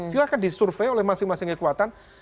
silahkan disurvey oleh masing masing kekuatan